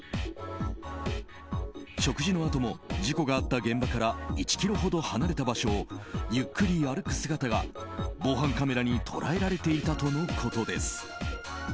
食事のあとも事故があった現場から１ｋｍほど離れた場所をゆっくり歩く姿が防犯カメラに捉えられていたとのことです。